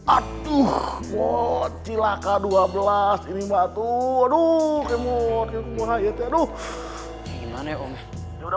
aduh wot silaka dua belas ini batu aduh kemoot muhayyed ya aduh gimana ya om ya udah